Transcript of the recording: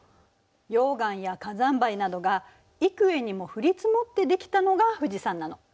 溶岩や火山灰などが幾重にも降り積もって出来たのが富士山なの。